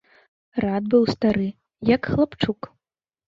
Рад быў стары, як хлапчук.